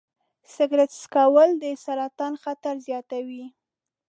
سګرټ څکول د سرطان خطر زیاتوي.